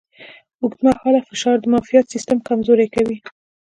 اوږدمهاله فشار د معافیت سیستم کمزوری کوي.